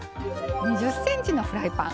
２０ｃｍのフライパン